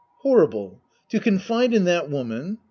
Horrible ! To confide in that woman